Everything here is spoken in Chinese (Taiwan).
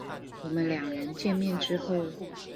我們兩人見面之後